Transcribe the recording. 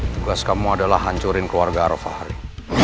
tugas kamu adalah hancurkan keluarga arafahari